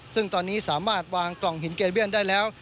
ซึ่งตอนนี้สามารถวางกล่องหินเกเวียนได้แล้ว